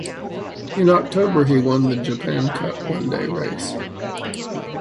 In October he won the Japan Cup one-day race.